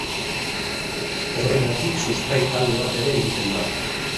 Horregatik sustrai talde bat ere egiten da.